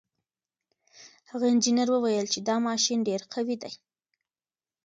هغه انجنیر وویل چې دا ماشین ډېر قوي دی.